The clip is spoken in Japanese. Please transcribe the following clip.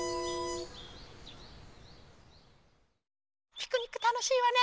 ピクニックたのしいわね！